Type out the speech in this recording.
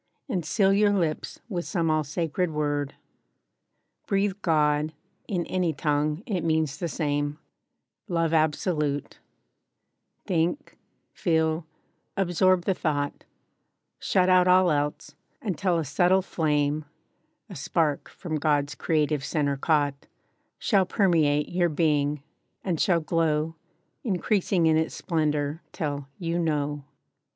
And seal your lips with some all sacred word. Breathe "God," in any tongue—it means the same; LOVE ABSOLUTE: Think, feel, absorb the thought; Shut out all else; until a subtle flame (A spark from God's creative center caught) Shall permeate your being, and shall glow, Increasing in its splendor, till, YOU KNOW.